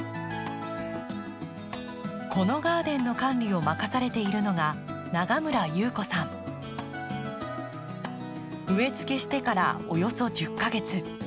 このガーデンの管理を任されているのが植えつけしてからおよそ１０か月。